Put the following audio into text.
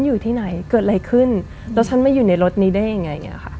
หลุดนี้ได้ยังไงอย่างนี้ค่ะ